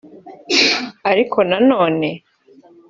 Ariko nanone